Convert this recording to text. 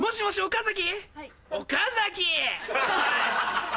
岡崎！